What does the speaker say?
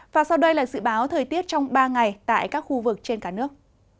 và sau đây là dự báo thời tiết trong ba ngày tại các khu vực trên cả nước